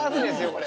これ。